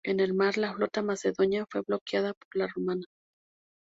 En el mar, la flota macedonia fue bloqueada por la romana.